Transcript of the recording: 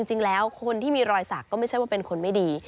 จริงแล้วคนที่มีรอยสักก็ไม่ใช่ว่าเป็นคนไม่ดี